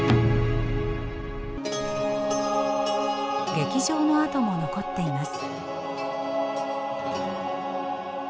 劇場の跡も残っています。